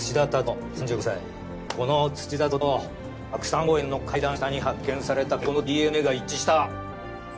この土田竜男と覚山公園の階段下に発見された血痕のＤＮＡが一致した。